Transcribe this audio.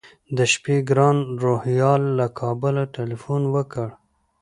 د شپې ګران روهیال له کابله تیلفون وکړ.